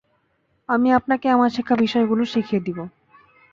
আমি আপনাকে আমার শেখা বিষয়গুলো শিখিয়ে দিব।